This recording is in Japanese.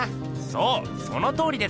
そうそのとおりです！